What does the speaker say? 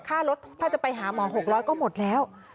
ค่ารถถ้าจะไปหาหมอ๖๐๐ก็หมดแล้ว